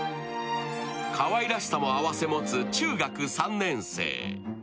かわいらしさも合わせもつ中学３年生。